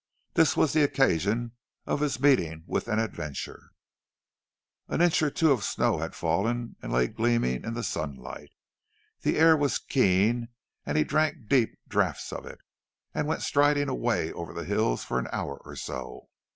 This was the occasion of his meeting with an adventure. An inch or two of snow had fallen, and lay gleaming in the sunlight. The air was keen, and he drank deep draughts of it, and went striding away over the hills for an hour or so.